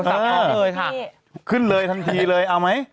เออขึ้นเลยทันทีเลยเอาไหม